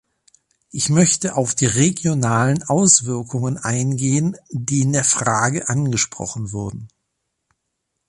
Ich möchte auf die regionalen Auswirkungen eingehen, die in der Frage angesprochen wurden.